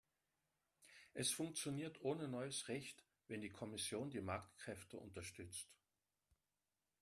Es funktioniert ohne neues Recht, wenn die Kommission die Marktkräfte unterstützt.